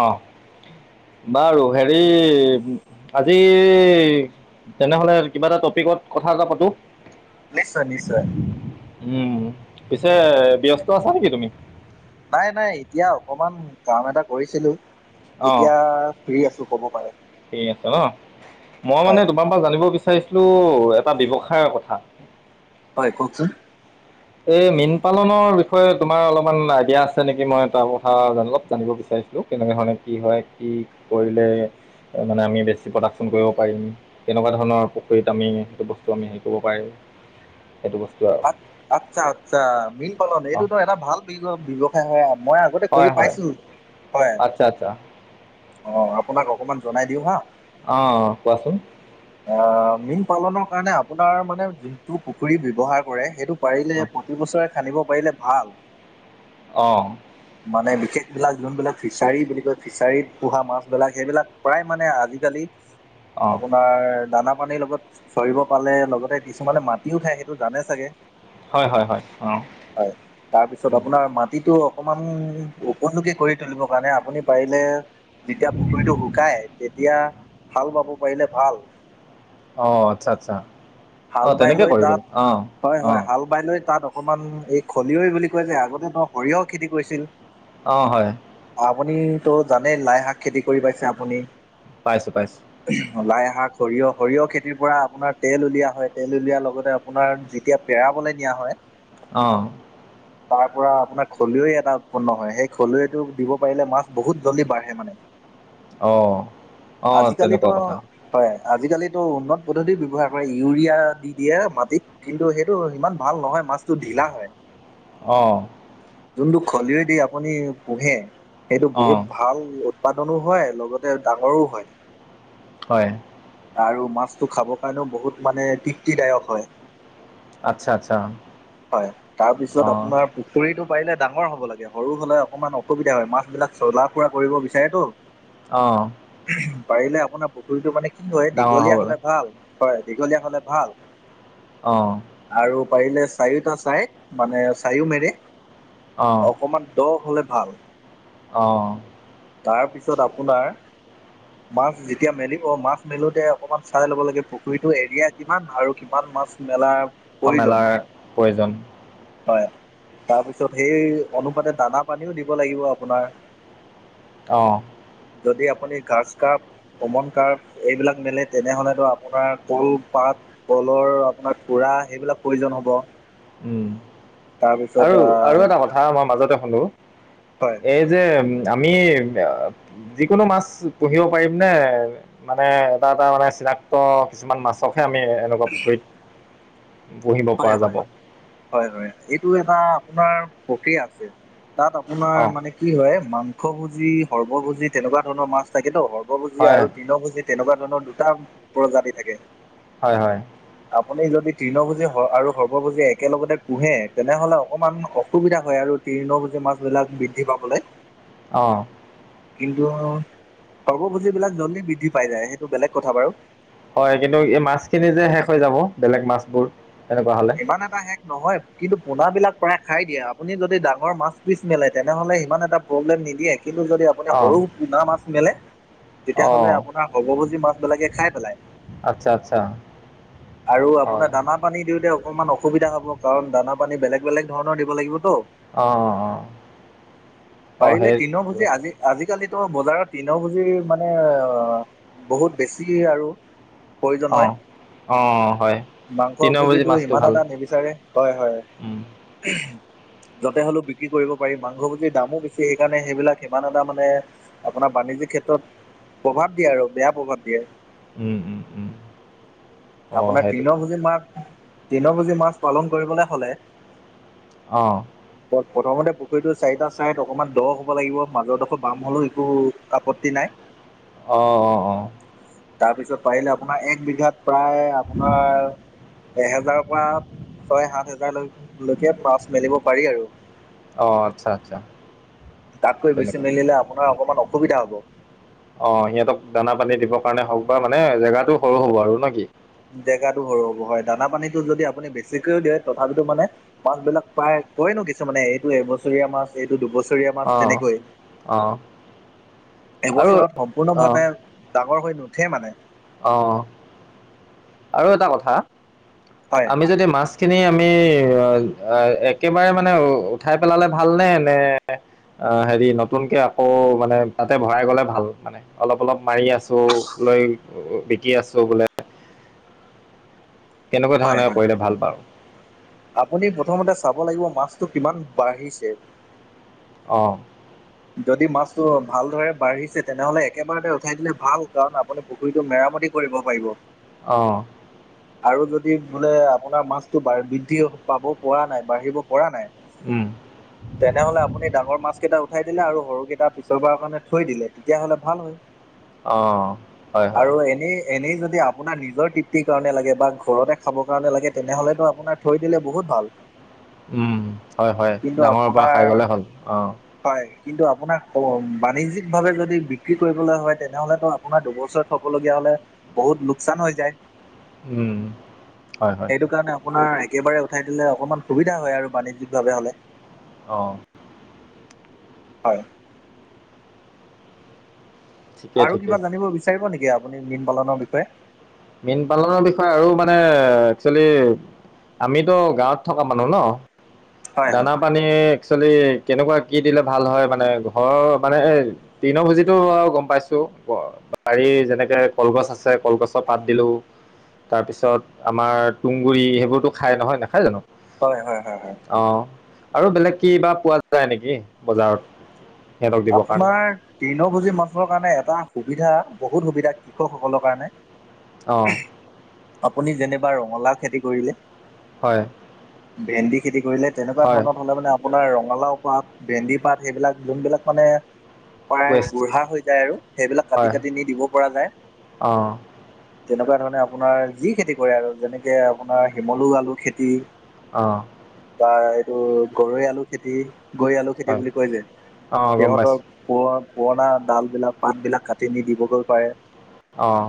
অঁ বাৰু হেৰি আজি ই ই ই তেনেহলে কিবা এটা টপিকত কথা এটা পাতো। নিশ্চয় নিশ্চয়। উম, পিছে ব্যস্ত আছা নেকি তুমি? নাই নাই এতিয়া অকমান কাম এটা কৰিছিলো। অঁ এতিয়া ফ্ৰী আছো কব পাৰে। ঠিক আছে ন? মই হয়। মানে তোমাৰ পৰা জানিব বিচাৰো বিচাৰিছিলো এটা ব্যৱসায়ৰ কথা। হয় কওঁকচোন। এই মীন পালনৰ বিষয়ে তোমাৰ অলপমান আইডিয়া আছে নেকি? মই তাৰ কথা অলপ জানিব বিচাৰিম। ছিলো কেনেকে ধৰণে কি হয় কি কৰিলে মানে আমি বেছি প্ৰডাকশ্যন কৰিব পাৰিম, তেনেকুৱা ধৰণৰ পুখুৰীত আমি সেইটো বস্তু আমি হেৰি কৰিব পাৰিম। সেইটো বস্তু আৰু আ- আচ্ছা আচ্ছা মীন পালন অঁ এইটোতো এটা ভাল ব্যৱসায় হয়, মই আগত কৰি হয় হয় পাইছো। হয় আচ্ছা আচ্ছা অঁ আপোনাক অকমান জনাই দিওঁ হা। অঁ কোৱাচোন। অঁ মীন পালনৰ কাৰণে আপোনাৰ মানে যোনটো পুখুৰী ব্যৱহাৰ কৰে সেইটো অ পাৰিলে প্ৰতিবছৰে খান্দিব পাৰিলে ভাল। অ মানে বিশেষ বিলাক যোনবিলাক ফিছাৰী বুলি কয় ফিচাৰীত পোহা মাছ বিলাক সেইবিলাক প্ৰায় মানে আজিকালি অ আপোনাৰ দানা পানীৰ লগত চৰিব পালে লগতে কিছুমানে মাটিও খায় সেইটো জানে চাগে। হয় হয় হয় অ হয় তাৰপিছত আপোনাৰ মাটিটো অকমান উপযোগী কৰি তুলিবৰ কাৰণে আপুনি পাৰিলে যেতিয়া পুখুৰীটো শুকায় তেতিয়া হাল বাব পাৰিলে ভাল। অ আচ্ছা আচ্ছা অ হাল বাই তেনেকে লৈ কৰিব তাত, লাগে অ হয় অ হয় হাল বাই লৈ তাত অকমান এই খলিয়ৈ বুলি কয় যে আগতে ত সৰিয়হ খেতি কৰিছিল অ হয় আপুনি তো জানেই লাই শাক খেতি কৰি পাইছে আপুনি। পাইছোঁ পাইছোঁ। লাইশাক, সৰিয়হ, সৰিয়হ খেতিৰ পৰা আপোনাৰ তেল উলিওৱা হয় তেল উলিওৱাৰ লগতে আপোনাৰ যেতিয়া পেৰা দিয়া হয় অহঁ। তাৰ পৰা আপোনাৰ খলুৱৈ এটা উৎপন্ন হয়, সেই খলুটো দিব পাৰিলে মাছ বহুত জল্দি বাঢ়ে মানে। অ আহ আজিকালিতো তেনেকুৱা কথা। হয় আজিকালিটো উন্নত পদ্ধতি ব্যৱহাৰ কৰে ইউৰিয়া দি দিয়ে মাটিত কিন্তু সেইটো সিমান ভাল নহয় মাছটো ঢিলা হয়। আহঁ। যোনটো খলয়দি আপুনি পোহে সেইটো অ বহুত ভাল। উৎপাদনো হয় লগতে ডাঙৰো হয়। হয়। আৰু মাছটো খাবৰ কাৰণেও বহুত মানে তৃপ্তিদায়ক হয়। আচ্ছা আচ্ছা হয় তাৰ অ পিছত আপোনাৰ পুখুৰীটো পাৰিলে ডাঙৰ হ'ব লাগে, সৰু হলে অকমান অসুবিধা হয় মাছ বিলাক চলা ফুৰা কৰিব বিচাৰেতো। আহ। পাৰিলে আপোনাৰ পুখুৰীটো মানে কি হয় ডাঙৰ দীঘলীয়া হ'বলৈ হ'লে ভাল হয় দীঘলীয়া হলে ভাল। অহ। আৰু পাৰিলে চাৰিওটা চাইড মানে চাৰিওমেৰে অ অকমান দহ হ'লে ভাল। অ তাৰপিছত আপোনাৰ- [inaudible] মাছ যেতিয়া মেলিব অ মাছ মেলোতে অকমান চাই ল'ব লাগে পুখুৰীতো এৰিয়া কিমান আৰু কিমান মাছ মেলাৰ অ প্ৰয়োজন মেলাৰ প্ৰয়োজন। হয় তাৰপিছত সেই অনুপাতে দানা পানীও দিব লাগিব আপোনাৰ। অহ। যদি আপুনি ঘাচকাৰ্প, কমনকাৰ্প, এইবিলাক মেলে তেনেহলেতো আপোনাৰ কল পা কলৰ আপোনাৰ খুৰা সেইবিলাক প্ৰয়োজন হ'ব। উ তাৰপিছত আৰু আহ আৰু এটা কথা মই মাজতে সুধো হয় এই যে আমি আ যিকোনো মাছ পুহিব পাৰিম নে মানে এটা এটা মানে চিনাক্ত কিছুমান মাছকহে আমি এনেকোৱা পুখুৰীত পুহিব হয় পৰা হয় যাব। হয় হয় এইটো এটা আপোনাৰ প্ৰক্ৰিয়া আছে তাত আপোনাৰ অঁ মানে কি হয় মাংসভোজী, সৰ্বভোজী তেনেকোৱা ধৰণৰ মাছ থাকেতো সৰ্বভোজী হয় আৰু তৃণ ভোজীত তেনেকোৱা ধৰণৰ দুটা প্ৰজাতি থাকে। হয় হয়। আপুনি যদি তৃণভোজী হয় আৰু সৰ্বভোজী একেলগতে পোহে তেনেহ'লে অকণমান অসুবিধা হয় আৰু তৃণভোজী মাছবিলাক বৃদ্ধি পাবলৈ। অহ কিন্তু সৰ্বভোজী বিলাক জলদি বৃদ্ধি পাই যায় সেইটো বেলেগ কথা বাৰু হয় কিন্তু এই মাছখিনি যে শেষ হৈ যাব বেলেগ মাছবোৰ তেনেকুৱা হ'লে ইমান এটা শেষ নহয় কিন্তু পোনাবিলাক প্ৰায় খাই দিয়ে। আপুনি যদি ডাঙৰ মাছ পিছ মেলে তেনেহলে সিমান এটা প্ৰব্লেম নিদিয়ে। কিন্তু যদি আপুনি অঁ সৰু পোনা মাছ মেলে তেতিয়াাহ'লে অঁ আপোনাৰ সৰ্বভোজী মাছ বিলাকে খাই পেলাই আচ্ছা আচ্ছা আৰু আপোনাৰ হয় দানা পানী দিওতে অকণমান অসুবিধা হব কাৰণ দানা পানী বেলেগ বেলেগ ধৰণৰ দিব লাগিবতো অঁ অঁ অঁ অঁ পাৰিলে সেই তৃণভোজী আজি আজিকালি বজাৰত তৃণভোজী মানে বহুত বেছি আৰু প্ৰয়োজন অঁ হয় অঁ হয় মাংস তিনিনম্বৰ ভোজীত পুজি মাছটো ইমান ভাল এটা নিবিচাৰে হয় হয় উম, [inaudible] য'তে হ'লেও বিক্ৰী কৰিব পাৰি মাংসভোজীৰ দামো বেছি সেইকাৰণে সেইবিলাক সিমান এটা মানে আপোনাৰ বাণি ক্ষেত্ৰত প্ৰভাৱ দিয়ে আৰু বেয়া প্ৰভাৱ দিয়ে। উম, উম, উম। অঁ আপোনাৰ সেইটো তৃণভোজী মাত তৃণভোজী মাছ পালন কৰিবলৈ হলে- অ প্ৰথমতে পুখুৰীতো চাৰিটা চাইড অকনমান দ হ'ব লাগিব। মাজৰডোখৰ বাম হলেও একো আপত্তি নাই। অ অ অ তাৰপিছত পাৰিলে আপোনাৰ এক বিঘাত প্ৰায় আপোনাৰ এহেজাৰৰ পৰা ছয় সাত হেজাৰলৈলৈকে মাছ মেলিব পাৰি আৰু অ আচ্ছা আচ্ছা তাতকৈ বেছি তেনেকুৱা মেলিলে আপোনাৰ অকমান অসুবিধা হ'ব। অ সিহঁতক দানা পানী দিবৰ কাৰণে হওক বা মানে জেগাটো সৰু হব আৰু না কি জেগাতো সৰু হ'ব হয় দানা পানীতো যদি আপুনি বেছিকৈও দিয়ে তথাপিতো মানে মাছবিলাক প্ৰায় কয় ন কিছুমানে এইটো এবছৰীয়া মাছ এইটো দুবছৰীয়া মাছ অ তেনেকৈ অ আৰু এবছৰত সম্পূৰ্ণভাৱে ডাঙৰ হৈ নুঠে মানে অহ আৰু এটা কথা হয়। আমি যদি মাছখিনি আমি একেবাৰে মানে উঠাই পেলালে ভালনে নে- অ হেৰি নতুনকে আকৌ মানে তাতে ভৰাই গলে ভাল মানে অলপ অলপ মাৰি আছো বেই বিকি আছো বোলে। কেনেকুৱা ধৰণে কৰিলে ভাল বাৰু আপুনি প্ৰথমতে চাব লাগিব মাছটো কিমান বাঢ়িছে? অহ যদি মাছটো ভালদৰে বাঢ়িছে তেনেহ'লে একেবাৰতে উঠাই দিলে ভাল। কাৰণ আপুনি পুখুৰীটো মেৰামতি কৰি ব পাৰিব অহ আৰু যদি বোলে আপোনাৰ মাছতটো বৃদ্ধি পাব পৰা নাই বাঢ়িব পৰা নাই উম তেনেহলে আপুনি ডাঙৰ মাছ কেইটা উঠাই দিলে আৰু সৰুকেইটা পিছৰবাৰৰ কাৰণে থৈ দিলে তেতিয়াহ'লে ভাল হয়। অ হয় হয়। আৰু এনেই এনেই যদি আপোনাৰ নিজৰ তৃপ্তিৰ কাৰণে লাগে বা ঘৰতে খাবৰ কাৰণে লাগে তেনেহ'লেতো আপোনাক থৈ দিলে বহুত ভাল উম হয় হয় কিন্তু ডাঙৰৰ পৰা আপোনাৰ খাই গ'লে হ'ল অ হয় কিন্তু আপোনাক বাণিজ্যিক ভাৱে যদি বিক্ৰী কৰিবলৈ হয় তেনেহলে আপোনাৰ দুবছৰত থব লাগ- তেতিয়া হ'লে বহুত লোকচান হৈ যায় উম, হয় হয় সেইটো কাৰণে আপোনাৰ একেবাৰে উঠাই দিলে অকমান সুবিধা হয় আৰু বাণিজ্যিকভাৱে হ'লে। অ হয় ঠিকেই আৰু ঠিকেই কিবা জানিব বিচাৰিব নেকি আপুনি মীন পালনৰ বিষয়ে? মীন পালনৰ বিষয়ে আৰু মানে একচুৱেলি আমিতো গাঁৱত থকা মানুহ ন হয় হয় দানা পানী একচুৱেলি কেনেকুৱা কি দিলে ভাল হয় মানে ঘৰৰ মানে এ তৃন ভুজিতো আৰু গম পাইছো, বাৰীৰ যেনেকে কলগছ আছে কলগছৰ পাত দিলো, তাৰ পিছত আমাৰ তোংগুৰি সেইবোৰতো খাই নহয় নেখায় জানো, হয় হয় অহ আৰু বেলেগ কি বা পোৱা যায় নেকি বজাৰত? সিহঁতক দিবৰ কাৰণে আপোনাৰ তৃণ ভূজি মানুহৰ কাৰণে এটা সুবিধা বহুত সুবিধা কৃষকসকলৰ কাৰণে অঁ আপুনি যেনে ৰঙালাও খেতি কৰিলে হয় ভেন্দি খেতি কৰিলে তেনেকুৱা হয় ধৰণত হ'লে মানে আপোনাৰ ৰঙালাও পাত বেন্দি পাত সেইবিলাক যোনবিলাক মানে প্ৰায় ৱেষ্ট বুঢ়া হৈ যায় আৰু সেইবিলাক কাটি হয় কাটি নি দিব পৰা যায়। অঁ তেনেকুৱা ধৰণে আপোনাৰ যি খেতি কৰে আৰু যেনেকে আপোনাৰ শিমলু আলু খেতি অহ বা এইটো গৰৈ আলু খেতি গৈ আলু খেতি হয় বুলি কয় যে, অঁ গম সিহঁতৰ পাইছোঁ প পুৰণা ডাল বিলাক পাতবিলাক কাটি নি দিবগৈ পাৰে। অঁ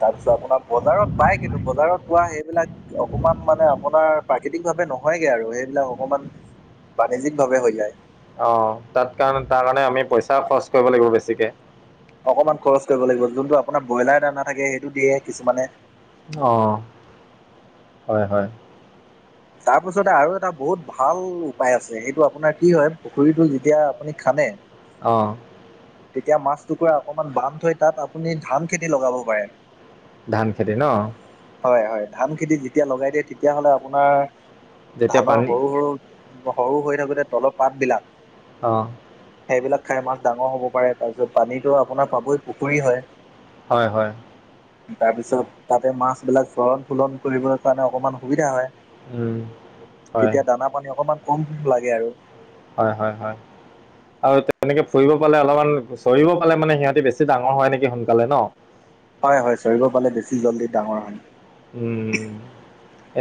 তাৰপিছত আপোনাৰ বজাৰত পায় কিন্তু বজাৰত পোৱা সেইবিলাক অকমান মানে আপোনাৰ প্ৰাকৃতিক ভাৱে নহয়গে আৰু সেইবিলাক অকমান বাণিজ্যিক ভাৱে হৈ যায়। অ তাত কাৰ তাৰ কাৰণে আমি পইচাও খৰচ কৰিব লাগিব বেছিকে। অকমান খৰচ কৰিব লাগিব যোনটো আপোনাৰ ব্ৰইলাৰ দানা থাকে সেইটো দিয়ে কিছুমানে অহ হয় হয় তাৰপাছতে আৰু এটা বহুত ভাল উপায় আছে সেইটো আপোনাৰ কি হয় পুখুৰীটো যেতিয়া আপুনি খানে, অহ তেতিয়া মাছ টুকুৰা অকমান বান্ধ থৈ তাত আপুনি ধান খেতি লগাব পাৰে। ধান খেতি ন হয় হয় ধান খেতি যেতিয়া লগাই দিয়ে তেতিয়াহ'লে আপোনাৰ যেতিয়া ধানৰ পানী সৰু সৰু সৰু হৈ থাকোঁতে তলৰ পাতবিলাক অহ সেইবিলাক খাই মাছ ডাঙৰ হ'ব পাৰে তাৰ পিছত পানীতটো আপোনাৰ পাবই পুখুৰী হয় হয় হয় তাৰপিছত অঁ তাতে মাছ এইবিলাক চলণ ফুলন কৰিবলৈ কাৰণে অকমান সুবিধা হয়‌। উম, হয় তেতিয়া দানা পানী অকনমান কম লাগে আৰু হয় হয় হয় আৰু তেনেকে ফুৰিব পালে অলপমান চৰিব পালে মানে সিহঁতি বেছি ডাঙৰ হয় নেকি সোনকালে ন হয় হয় চৰিব পালে বেছি জল্দি ডাঙৰ হয় উম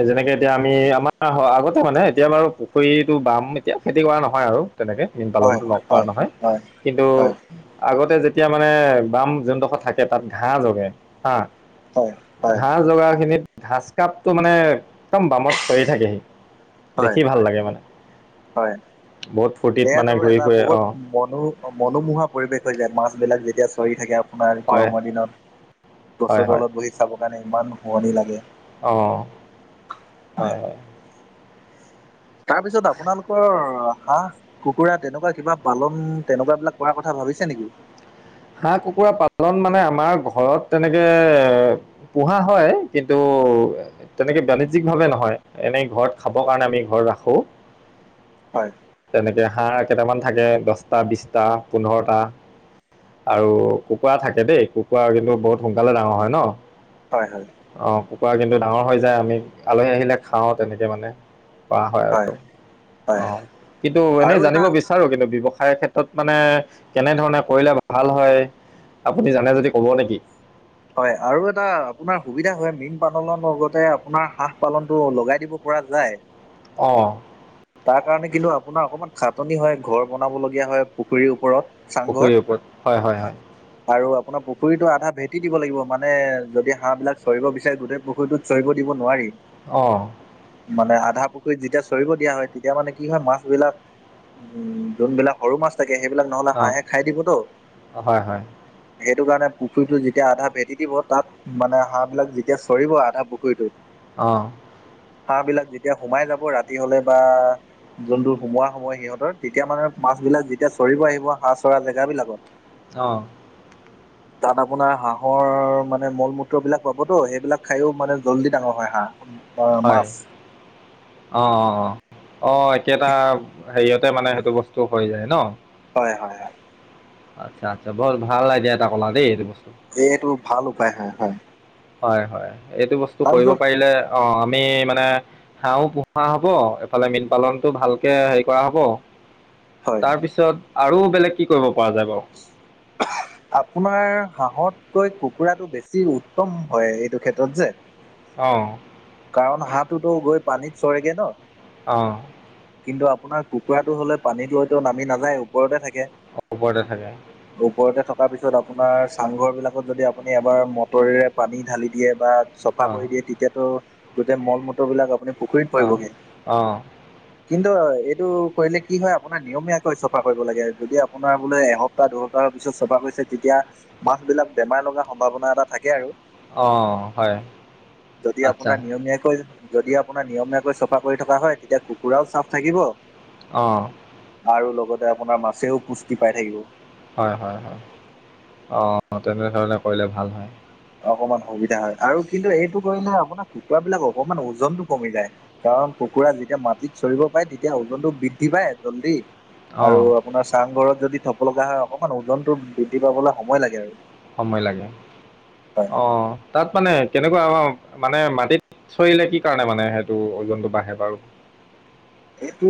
যেনেকে এতিয়া আমি আমাৰ আগতে মানে এতিয়া বাৰু পুখুৰীটো বাম এতিয়া খেতি কৰা নহয় আৰু তেনেকে মীন হয় পালনটো নকৰা হয় নহয় হয় কিন্তু হয় আগতে যে এতিয়া মানে বাম জোনডোখৰ থাকে তাত ঘাঁহ জগে হা হয় হয় ঘাঁহ জগা এইখিনিত। ঘচ কাপটো মানে একদম বামত চৰি থাকেহি হয় দেখি ভাল লাগে মানে হয় বহুত ফূৰ্তিত এয়াত মানে ঘূৰি এটা ফুৰে বহুত অঁ মনো মনোমোহা পৰিৱেশ হৈ যায় মাছ বিলাক যেতিয়া চৰি থাকে আপোনাৰ হয় গৰমৰ দিনত হয় গছৰ তলত বহি চাবৰ কাৰণে ইমান শুৱনি লাগে অহ হয় হয় তাৰপিছত আপোনালোকৰৰ হাঁহ, কুকুৰা তেনেকুৱা কিবা পালন তেনেকুৱা বিলাক কৰাৰ কথা ভাবিছে নেকি হাঁহ কুকুৰা পালন মানে আমাৰ ঘৰত তেনেকে পোহা হয় কিন্তু‌ তেনেকে বাণিজ্যিক ভাৱে নহয় এনেই ঘৰত খাব কাৰণে আমি ঘৰত ৰাখো হয়, তেনেকে হা়হঁ কেইটামান থাকে দহটা বিশটা পোন্ধৰটা আৰু কুকুৰা থাকে দেই কুকুৰা কিন্তু বহুত সোনকালে ডাঙৰ হয়। ন হয় হয়। অঁ কুকুৰা কিন্তু ডাঙৰ হৈ যায় আমি আলহী আহিলে খাওঁ তেনেকে মানে। কৰা হয় আৰু হয় অহ কিন্তু এনেই আৰু জানিব এটা বিচাৰো কিন্তু ব্যৱসায় ক্ষেত্ৰত মানে কেনেধৰণে কৰিলে- ভাল হয় আপুনি জানে যদি ক'ব নেকি? হয় আৰু এটা আপোনাৰ সুবিধা হয় মীন পালনৰ লগতে আপোনাৰ হাঁহ পালনতটো লগাই দিব পৰা যায় অঁ তাৰ কাৰণে কিন্তু আপো আপোনাৰ অকণমান খাটনি হয় ঘৰ বনাবলগীয়া হয় পুখুৰীৰ ওপৰত চাংঘৰ। পুখুৰীৰ ওপৰত হয় হয় হয়। ন পুখুৰীটোৰ আধা ভে কি দিব লাগিব মানে যদি হাঁহবিলাক চৰিব বিচাৰে গোটেই পুখুৰীটোত চৰিব দিব নোৱাৰি। অঁহ মানে আধা পুখুৰীত যেতিয়া চৰিব দিয়া হয়। তেতিয়া মানে কি হয় মাছ বিলাক উম যোনবিলাক সৰু মাছ থাকে- সেইবিলাক নহলে অঁ হাঁহে খাই দিবতো হয় হয় সেইটো কাৰণে পুখুৰীতটো তেতিয়া আধা ভেটি দিব তাত মানে হাঁহবিলাক যেতিয়া চৰিব আধা পুখুৰীটোত অহঁ হাঁহ বিলাক যেতিয়া সোমাই যাব ৰাতি হলে বা যোনটো সোমোৱা হব সিহঁতৰ তেতিয়া মানে মাছবিলাক যেতিয়া চৰিব আহিব হাঁহ চৰা জেগাব বিলাকত অহ তাত আ আপোনাৰ হাঁহৰ মানে মল মূত্ৰ বিলাক পাবতো সেইবিলাক খায়ও মানে জল্দি ডাঙৰ হয়। হাঁহ অ' হয় মাছ অহ অহ অহ অহ এতিয়া এটা হেৰিয়তে মানে সেইটো বস্তু হৈ যায় ন। হয় হয় হয়। আচ্ছা আচ্ছা বৰ ভাল এডিয়া এটা কলা দেই - এইটো ভাল উপায় হয় হয়। হয় হয় এইটো বস্তু কৰিব তাৰপিছত পাৰিলে অ আমি মানে হাঁহো, পোহা হব এইফালে মীন পালনতটো ভালকে হেৰি কৰা হ'ব। হয় তাৰ পিছত আৰু বেলেগ কি কৰিব পৰা যায় বাও? আপোনাৰ হাঁহতকৈ কুকুৰাটো বেছি উত্তম হয় এইটো ক্ষেত্ৰত যে। অহ। কাৰণ হাঁহোতো গৈ পানীত চৰেগে ন। আহঁ। কিন্তু আপোনাৰ কুৰাটো হ'লে পানী লৈতো নামি নাযায় ওপৰতে থাকে - ওপৰতে থাকে। ওপৰতে থকাৰ পিছত আপোনাৰ চাংঘৰবিলাকত যদি আপুনি এবাৰ মটৰেৰে পানী ঢালি দিয়ে। বা- চফা অঁ কৰি দিয়ে তেতিয়াতো গোটেই মল মটৰ বিলাক আপুনি- পুখুৰীত আহ পৰিবগে। আহ। কিন্তু এইটো কৰিলে কি হয় আপোনাৰ নিয়মীয়াকৈ চফা কৰিব লাগে যদি আপোনাৰ বোলে এ সপ্তাহ দুসপ্তাহৰ পিছত চাফা কৰিছে তেতিয়া মাছ বিলাক বেমাৰ লগাৰ সম্ভাৱনা এটা থাকে আৰু- অঁ হয় যদি আচ্ছা আপোনাৰ নিয়মীয়াকৈ- যদি আপোনাৰ নিয়মীয়াকৈ চফা কৰি থকা হয়। তেতিয়া কুকুৰাও চাফ থাকিব আহ। আৰু লগতে আপোনাৰ মাছেও পুষ্টি পাই থাকিব। হয় হয় হয়। অ তেনেধৰণে কৰিলে ভাল হয়। অকমান সুবিধা হয়। আৰু কিন্তু এইটো কৰিলে আপোনাৰ কুকুৰা বিলাক অকমান ওজনতটো কমি যায়। কাৰ কাৰ কুকুৰা যেতিয়া পাণীত চৰিব পাৰে তেতিয়া ওজনতটো বৃদ্ধি পায় জল্দি অঁ আৰু আপোনাৰ চাংঘৰত যদি থব লগা হয় অকনমান ওজনতো বৃদ্ধি পাবলৈ সময় লাগে আৰু। সময় লাগে, হয়। অ তাত মানে কেনেকুৱা মানে মাটিত চৰিলে কি কাৰণে মানে সেইটো ওজনটো বাঢ়ে বাৰু? এইটো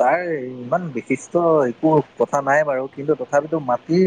তাৰ ইমান বিশিষ্ট একো কথা নাই বাৰু কিন্তু তথি তথাপিতো মাতিৰ